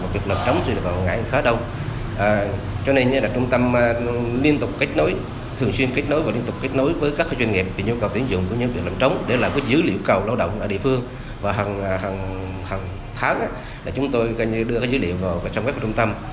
hằng tháng chúng tôi đưa dữ liệu vào website của trung tâm